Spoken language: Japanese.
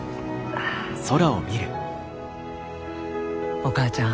お母ちゃん